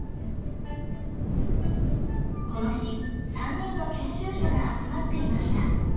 この日３人の研修者が集まっていました。